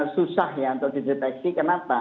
susah ya untuk dideteksi kenapa